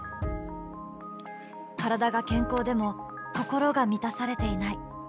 体が健康でも心が満たされていない。